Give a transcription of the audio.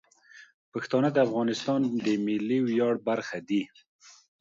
پښتانه د افغانستان د ملي ویاړ برخه دي.